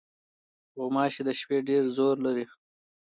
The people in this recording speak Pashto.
غوماشې د شپې ډېر زور لري.